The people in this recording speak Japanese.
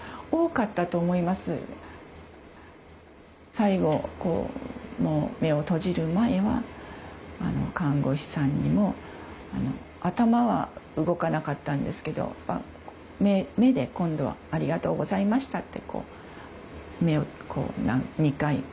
最後、目を閉じる前は看護師さんにも頭は動かなかったんですけど目で今度はありがとうございましたと。